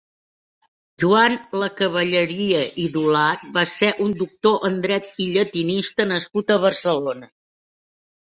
Joan Lacavalleria i Dulach va ser un doctor en dret i llatinista nascut a Barcelona.